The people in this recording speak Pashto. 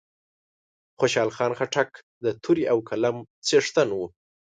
خوشحال خان خټک د تورې او قلم څښتن وو